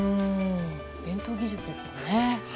伝統技術ですもんね。